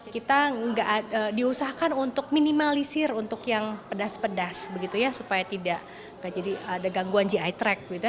kita nggak diusahakan untuk minimalisir untuk yang pedas pedas begitu ya supaya tidak jadi ada gangguan gi track gitu ya